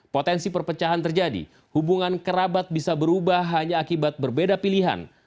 potensi perpecahan terjadi hubungan kerabat bisa berubah hanya akibat berbeda pilihan